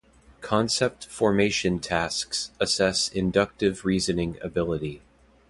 Concept Formation tasks assess inductive reasoning ability.